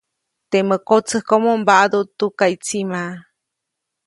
Temä kotsäjkomo mbaʼduʼt tukaʼy tsima.